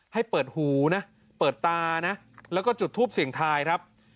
ให้เปิดหูนะเปิดตานะแล้วก็จุดทูปเสียงทายครับ